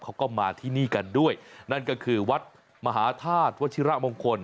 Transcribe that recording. เขาก็มาที่นี่กันด้วยนั่นก็คือวัดมหาธาตุวัชิระมงคล